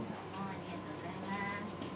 ありがとうございます。